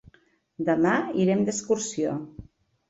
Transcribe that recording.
Demà irem d'excursió.